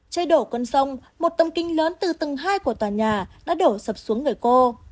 cháy đổ con sông một tâm kinh lớn từ tầng hai của tòa nhà đã đổ sập xuống người cô